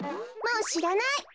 もうしらない！